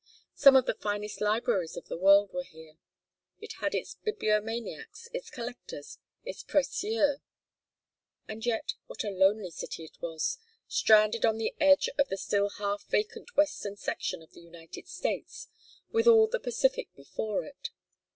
Some of the finest libraries of the world were here. It had its bibliomaniacs, its collectors, its precieux. And yet what a lonely city it was, stranded on the edge of the still half vacant western section of the United States, with all the Pacific before it.